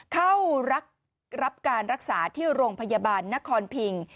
เข้ารับการรักษาที่โรงพยาบาลนครพิง